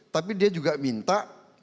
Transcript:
tapi dia juga minta